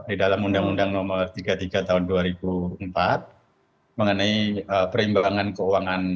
di dalam undang undang nomor tiga puluh tiga tahun dua ribu empat mengenai perimbangan keuangan